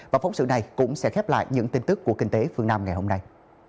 và phóng sự này cũng sẽ khép lại những tin tức của kinh tế phương nam ngày hôm nay